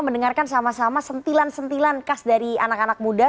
mendengarkan sama sama sentilan sentilan khas dari anak anak muda